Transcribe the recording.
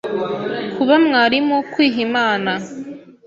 kuba mwarimu, kwiha Imana,